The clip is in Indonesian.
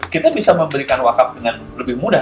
kita bisa memberikan wakaf dengan lebih mudah